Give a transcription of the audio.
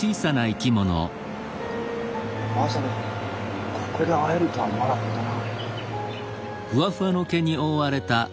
まさかここで会えるとは思わなかったな。